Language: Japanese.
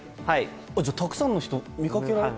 じゃあ、たくさんの人に見かけられて。